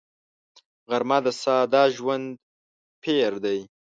غرمه د ساده ژوندي پېر دی